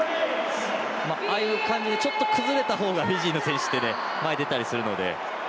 ああいう感じでちょっと崩れた方がフィジーの選手って前、出たりするので。